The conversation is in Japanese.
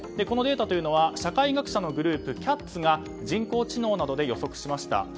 このデータというのは社会学者のグループ、ＣＡＴｓが人工知能などで予測しました。